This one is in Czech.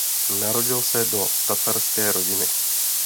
Narodil se do tatarské rodiny.